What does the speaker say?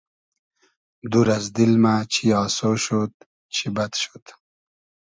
دور از دیل مۂ چی آسۉ شود چی بئد شود